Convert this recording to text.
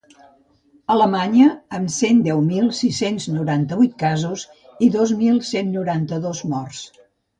Alemanya, amb cent deu mil sis-cents noranta-vuit casos i dos mil cent noranta-dos morts.